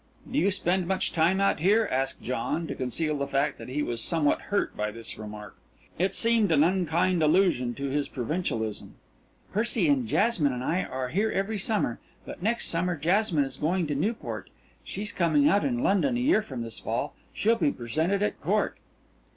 "Do you spend much time out here?" asked John, to conceal the fact that he was somewhat hurt by this remark. It seemed an unkind allusion to his provincialism. "Percy and Jasmine and I are here every summer, but next summer Jasmine is going to Newport. She's coming out in London a year from this fall. She'll be presented at court."